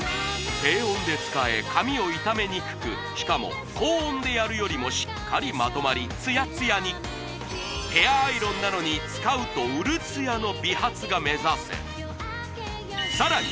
低温で使え髪を傷めにくくしかも高温でやるよりもしっかりまとまりツヤツヤにヘアアイロンなのに使うとうるツヤの美髪が目指せさらに